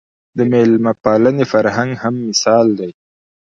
د مېلمه پالنې فرهنګ هم مثال دی